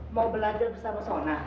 mau belajar bersama sona